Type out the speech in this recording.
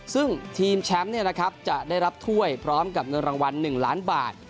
ซึ่งทีมแชมป์จะได้รับถ้วยพร้อมกับเงินรางวัล๑ล้านบาท